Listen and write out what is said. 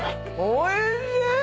おいしい。